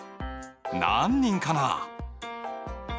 何人かな？